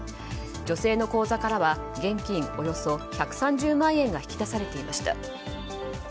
女性の口座からは現金およそ１３０万円が引き出されていました。